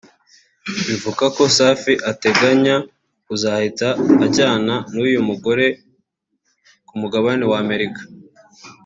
Bivugwa ko Safi ateganya kuzahita ajyana n’uyu mugore ku mugabane wa Amerika